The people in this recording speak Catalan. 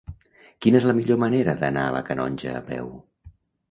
Quina és la millor manera d'anar a la Canonja a peu?